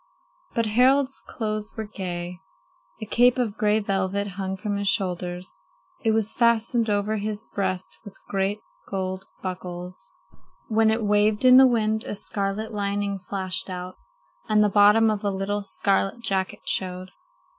But Harald's clothes were gay. A cape of gray velvet hung from his shoulders. It was fastened over his breast with great gold buckles. When it waved in the wind, a scarlet lining flashed out, and the bottom of a little scarlet jacket showed.